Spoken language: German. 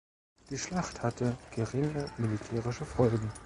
Die Schlacht hatte geringe militärische Folgen.